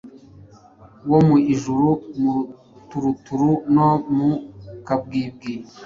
wo mu ijuru mu ruturuturu no mu kabwibwi.